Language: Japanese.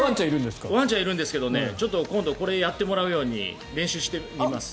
ワンちゃんいるんですけどちょっと今度これをやってもらうように練習してみます。